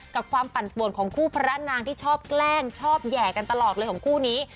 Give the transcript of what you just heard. กับความปั่นป่วนของคู่พระนางที่ชอบแกล้งชอบแห่กันตลอดเลยของคู่นี้